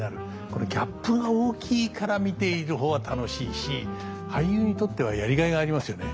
これギャップが大きいから見ている方は楽しいし俳優にとってはやりがいがありますよね。